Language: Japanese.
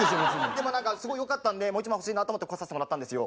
でも何かすごいよかったんでもう一枚欲しいなと思って来させてもらったんですよ。